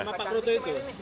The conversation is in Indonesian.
bapak proto itu